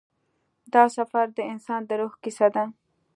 دا سفر د انسان د روح کیسه ده.